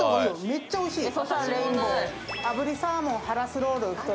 めっちゃおいしい。